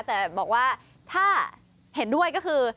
แต่บอกว่าถ้าเห็นด้วยก็คือ